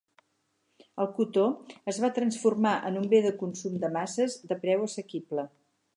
El cotó es va transformar en un bé de consum de masses de preu assequible.